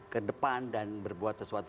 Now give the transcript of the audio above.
ke depan dan berbuat sesuatu